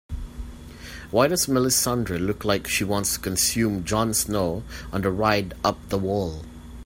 Why does Melissandre look like she wants to consume Jon Snow on the ride up the wall?